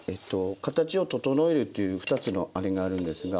形を整えるっていう２つのあれがあるんですが。